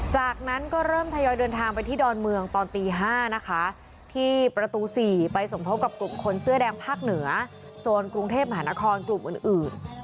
จากนั้นก็เริ่มทยอยเดินทางไปที่ดอนเมืองตอนตี๕นะคะที่ประตู๔ไปสมทบกับกลุ่มคนเสื้อแดงภาคเหนือโซนกรุงเทพมหานครกลุ่มอื่น